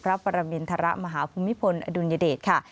พระปรมิณฑระมหาภูมิพลอดุลยเดช